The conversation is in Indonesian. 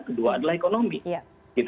kedua adalah ekonomi